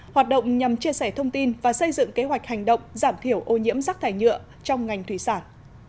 hoạt động nhằm chia sẻ thông tin và xây dựng kế hoạch hành động giảm thiểu ô nhiễm rác thải nhựa trong ngành thủy sản